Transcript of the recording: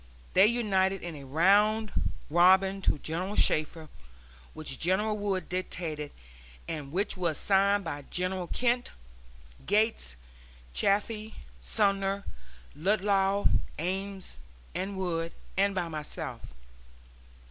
They united in a round robin to General Shafter, which General Wood dictated, and which was signed by Generals Kent, Gates, Chaffee, Sumner, Ludlow, Ames, and Wood, and by myself.